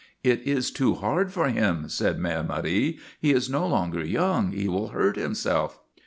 "It is too hard for him," said Mère Marie. "He is no longer young. He will hurt himself."